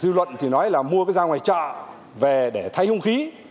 như luận thì nói là mua cái dao ngoài chợ về để thay hung khí